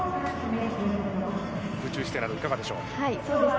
空中姿勢などいかがでしょう？